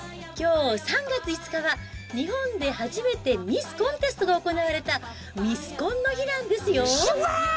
きょう３月５日は、日本で初めてミスコンテストが行われた、ミスコンの日なんですよ。